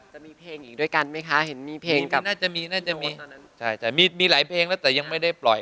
จะมีเพลงอีกด้วยกันไหมคะน่าจะมีมีหลายเพลงแล้วแต่ยังไม่ได้ปล่อย